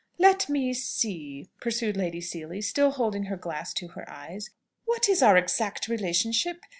"Let me see," pursued Lady Seely, still holding her glass to her eyes, "what is our exact relationship?